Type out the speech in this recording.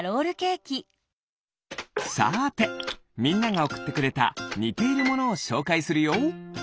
さてみんながおくってくれたにているものをしょうかいするよ。